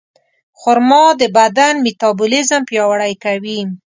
خرما د بدن میتابولیزم پیاوړی کوي.